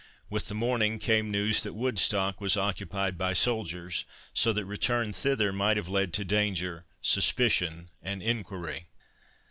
With the morning came news that Woodstock was occupied by soldiers, so that return thither might have led to danger, suspicion, and enquiry.